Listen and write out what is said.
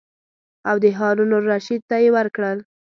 او د هارون الرشید ته یې ورکړل.